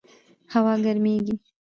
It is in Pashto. هوا ګرمیږي